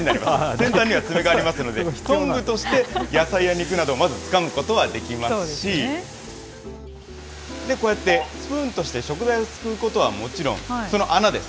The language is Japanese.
先端にはつめがありますので、トングとして野菜や肉など、まず、つかむことはできますし、こうやってスプーンとして、食材をすくうことはもちろん、その穴です。